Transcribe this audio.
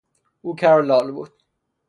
او کر و لال بود.